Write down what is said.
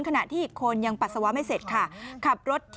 ขณะที่อีกคนยังปัสสาวะไม่เสร็จค่ะ